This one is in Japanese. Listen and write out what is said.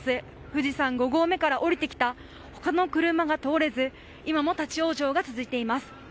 富士山５合目から降りてきた他の車が通れず今も立ち往生が続いています。